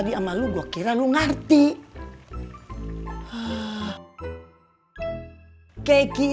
gua mau bikin dia keki